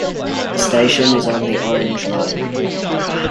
This station is on the Orange Line.